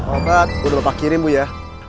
obat udah bapak kirim bu ya